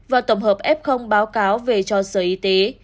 và tổng hợp f báo cáo về cho sở y tế